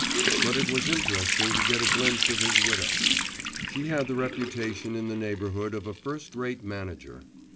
But it was interesting to get a glimpse of his widow. She had the reputation in the neighbourhood of a first rate manager.